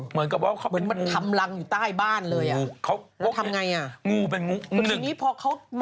เหมือนกับว่าเขาเป็น